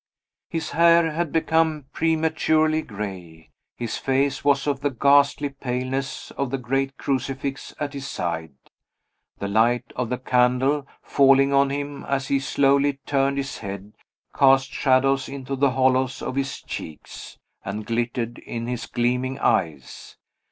His hair had become prematurely gray; his face was of the ghastly paleness of the great crucifix at his side. The light of the candle, falling on him as he slowly turned his head, cast shadows into the hollows of his cheeks, and glittered in his gleaming eyes.